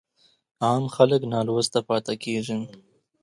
عام خلګ نالوسته پاته کيږي.